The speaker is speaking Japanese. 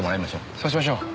そうしましょう。